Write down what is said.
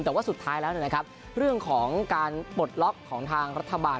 แต่ว่าสุดท้ายแล้วเรื่องของการปลดล็อกของทางรัฐบาล